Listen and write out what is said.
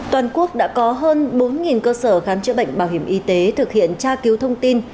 toàn quốc đã có hơn bốn cơ sở khám chữa bệnh bảo hiểm y tế thực hiện tra cứu thông tin